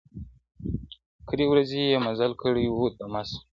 کرۍ ورځ یې مزل کړی وو دمه سو -